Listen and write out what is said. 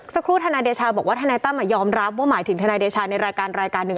สักครู่ฐานายเดชาบอกว่าฐานายตั้มยอมรับว่าหมายถึงฐานายเดชาในรายการหนึ่ง